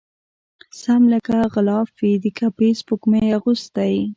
سم لکه غلاف وي د کعبې سپوږمۍ اغوستی